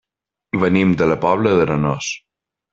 Venim de la Pobla d'Arenós.